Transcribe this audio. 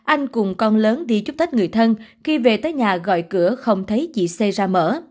anh cùng con lớn đi chúc tết người thân khi về tới nhà gọi cửa không thấy chị c ra mở